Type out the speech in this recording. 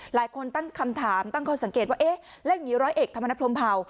หลายคนตั้งคำถามตั้งข้อสังเกตว่าเอ๊ะแล้วอย่างนี้ร้อยเอกธรรมนัฐพรมเผา